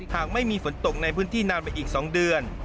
หากไม่มีฝนตกในพื้นที่นานไปอีก๒เดือน